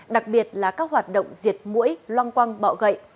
đặc biệt là các hoạt động diệt mũi loang quang bọ gậy